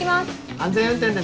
安全運転でね。